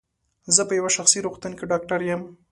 زه په یو شخصي روغتون کې ډاکټر یم.